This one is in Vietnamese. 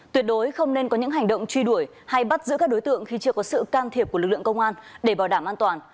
tuyệt đối không nên có những hành động truy đuổi hay bắt giữ các đối tượng khi chưa có sự can thiệp của lực lượng công an để bảo đảm an toàn